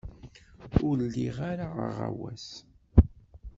Ur liɣ ara aɣawas.